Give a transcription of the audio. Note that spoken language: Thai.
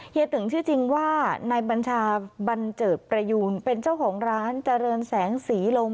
ตึงชื่อจริงว่านายบัญชาบันเจิดประยูนเป็นเจ้าของร้านเจริญแสงศรีลม